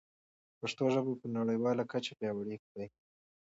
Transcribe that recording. پښتو ژبه په نړیواله کچه پیاوړې کړئ.